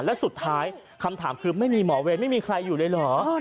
และสุดท้ายคำถามคือไม่มีหมอเวรไม่มีใครอยู่เลยเหรอ